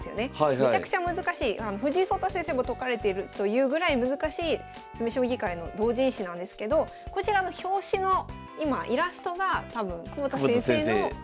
めちゃくちゃ難しい藤井聡太先生も解かれているというぐらい難しい詰将棋界の同人誌なんですけどこちらの表紙の今イラストが多分窪田先生の。